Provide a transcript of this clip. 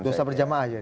dosa berjamaah jadi